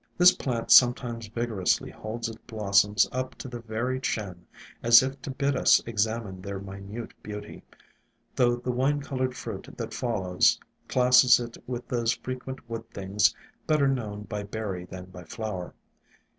This plant sometimes vigorously holds its blossoms up to the very chin, as if to bid us examine their minute beauty, though the wine colored fruit that follows classes it with those frequent wood things bet ter known by berry than by flower.